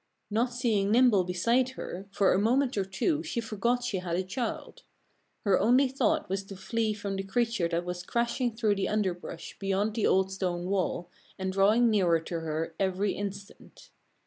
Not seeing Nimble beside her, for a moment or two she forgot she had a child. Her only thought was to flee from the creature that was crashing through the underbrush beyond the old stone wall and drawing nearer to her every instant.